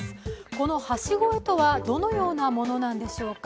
この橋越えとはどのようなものなんでしょうか。